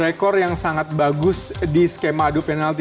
rekor yang sangat bagus di skema adu penalti